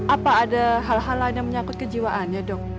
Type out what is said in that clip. apa ada hal hal lain yang menyakit kejiwaannya dok